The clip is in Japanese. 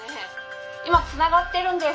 今つながってるんです。